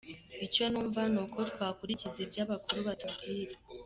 Icyo numva ni uko twakurikiza ibyo abakuru batubwira.